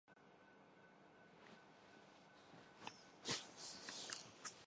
آذربائیجان کا وقت